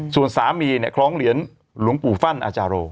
ส่วนสามีคร้องเหรียญหลวงปู่ฟั่นอาจารโล